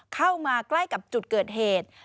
เข้ามาใกล้กับจุดเกิดเหตุ